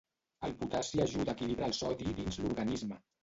El potassi ajuda a equilibrar el sodi dins l'organisme.